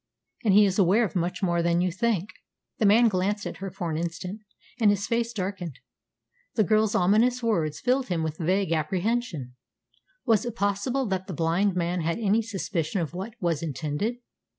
And he is aware of much more than you think." The man glanced at her for an instant, and his face darkened. The girl's ominous words filled him with vague apprehension. Was it possible that the blind man had any suspicion of what was intended?